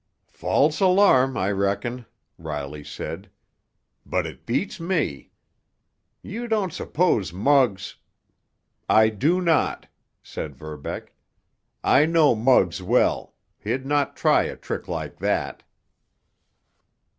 "False alarm, I reckon," Riley said. "But it beats me. You don't suppose Muggs——" "I do not," said Verbeck. "I know Muggs well—he'd not try a trick like that."